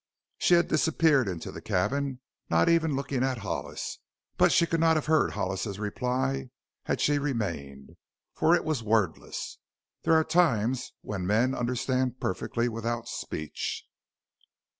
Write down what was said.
She had disappeared into the cabin, not even looking at Hollis, but she could not have heard Hollis's reply had she remained. For it was wordless. There are times when men understand perfectly without speech.